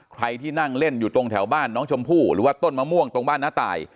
ใครที่นั่งเล่นอยู่ตรงแถวบ้านน้องชมพู่หรือว่าต้นมะม่วงตรงบ้านน้าตาย